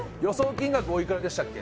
金額おいくらでしたっけ？